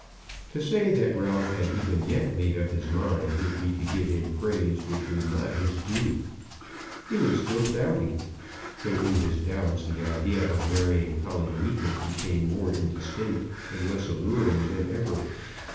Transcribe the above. To say that Ralph had even yet made up his mind would be to give him praise which was not his due. He was still doubting, though in his doubts the idea of marrying Polly Neefit became more indistinct, and less alluring than ever.